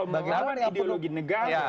tapi kalau mengelola ideologi negara